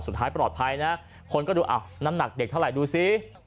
สุดท้ายปลอดภัยนะคนก็ดูอ้าวน้ำหนักเด็กเท่าไหร่ดูสิ